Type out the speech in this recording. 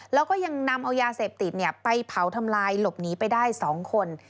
แล้วก็ยังนำเอายาเสพติดไปเผาทำลายหลบหนีไปได้๒คน